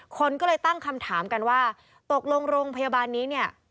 คนก็เลยตั้งคำถามกันว่าตกลงโรงพยาบาลนี้เนี่ย